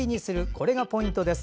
これがポイントです。